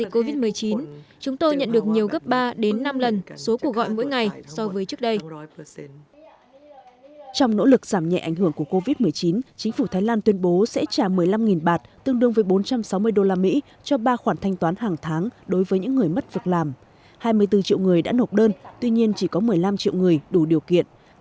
trong nỗ lực giảm nhẹ ảnh hưởng của covid một mươi chín chính phủ thái lan tuyên bố sẽ trả một mươi năm bạt tương đương với bốn trăm sáu mươi đô la mỹ cho ba khoản thanh toán hàng tháng đối với những người mất việc làm hai mươi bốn triệu người đã nộp đơn tuy nhiên chỉ có một mươi năm triệu người đủ điều kiện hàng triệu người còn lại rơi vào tình cảnh tuyệt vọng